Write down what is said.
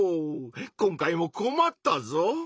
今回もこまったぞ！